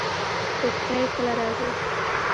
توتکۍ کله راځي؟